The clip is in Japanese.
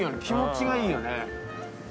気持ちがいいよね。